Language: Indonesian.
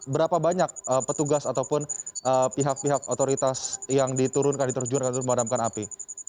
berapa banyak petugas ataupun pihak pihak otoritas yang diturunkan diturunkan diturunkan diturunkan api